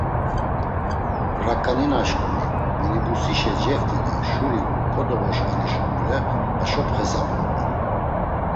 Raǩaninaşǩuni minibusişe ceft̆i do şuri kodovoşvani şuǩule haşo pxesabumt̆i.